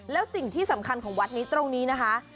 แล้วสิ่งที่สำคัญของวัดนี้ตรงนี้นะคะ